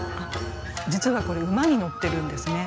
実はこれ馬に乗ってるんですね。